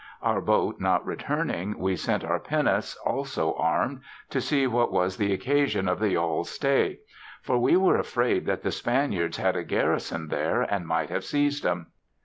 Our boat not returning we sent our pinnace, also arm'd^ to see what was the occasion of the yall's stay ; for we were afraid that the Spaniards had a garison there and might have seized 'em.